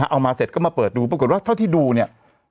เอามาเสร็จก็มาเปิดดูปรากฏว่าเท่าที่ดูเนี่ย